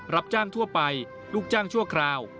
รับจ้างทั่วไปลูกจ้างชั่วคราว